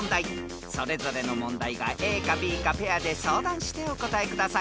［それぞれの問題がＡかＢかペアで相談してお答えください］